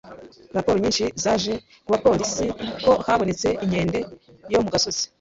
Raporo nyinshi zaje ku bapolisi ko habonetse inkende yo mu gasozi.